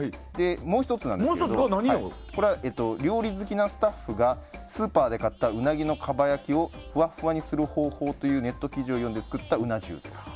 もう１つこれは料理好きなスタッフがスーパーで買ったうなぎのかば焼きをふわっふわにする方法というネット記事を読んで作ったうな重。